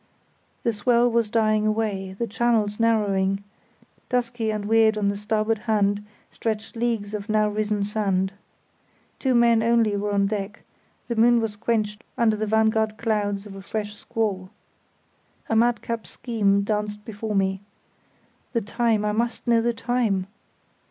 The swell was dying away, the channel narrowing; dusky and weird on the starboard hand stretched leagues of new risen sand. Two men only were on deck; the moon was quenched under the vanguard clouds of a fresh squall. A madcap scheme danced before me. The time, I must know the time!